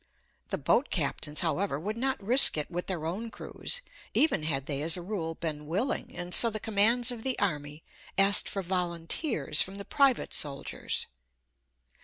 The boat captains, however, would not risk it with their own crews, even had they as a rule been willing, and so the commands of the army asked for volunteers from the private soldiers.